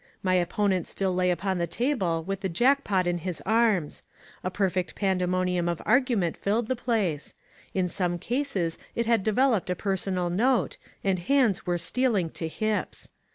My opponent still lay upon the table with the jack pot in his arms. A perfect pandemonium of argument filled the place; in some cases it had developed a personal note, and hands were stealing to hips.